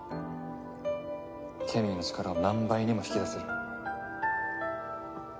ケミーの力を何倍にも引き出せる。